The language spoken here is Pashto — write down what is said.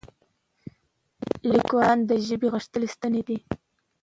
لیکوالان د ژبې غښتلي ستني دي.